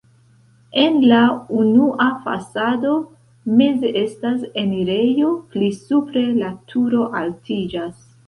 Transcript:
En la unua fasado meze estas enirejo, pli supre la turo altiĝas.